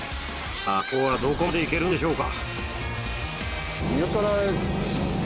さぁ今日はどこまで行けるんでしょうか。